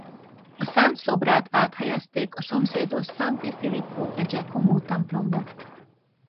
A szent szobrát áthelyezték a szomszédos Santi Filippo e Giacomo-templomba.